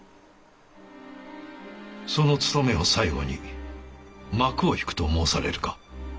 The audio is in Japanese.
その盗めを最後に幕を引くと申されるか？